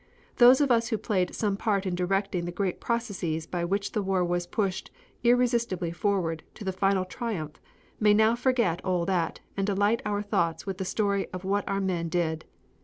Those of us who played some part in directing the great processes by which the war was pushed irresistibly forward to the final triumph may now forget all that and delight our thoughts with the story of what our men did.